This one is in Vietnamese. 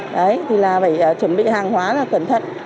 đấy thì là phải chuẩn bị hàng hóa là cẩn thận